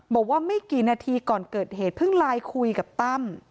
บอกว่าไม่กี่นาทีก่อนเกิดเหตุเพิ่งไลน์คุยกับตั้ม